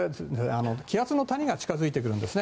気圧の谷近づいてくるんですね。